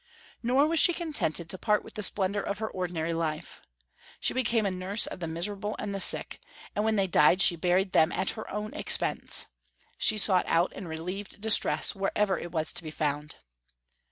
Nor was she contented to part with the splendor of her ordinary life. She became a nurse of the miserable and the sick; and when they died she buried them at her own expense. She sought out and relieved distress wherever it was to be found.